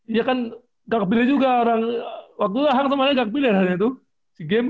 iya kan ga kepilih juga orang waktu ahang temannya ga kepilih lah dia tuh si game